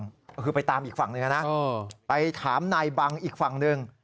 คือไปตามอีกฝั่งหนึ่งนะไปถามนายบังอีกฝั่งหนึ่ง